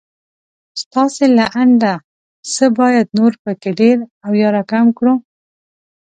ستاسې له انده څه بايد نور په کې ډېر او يا را کم کړو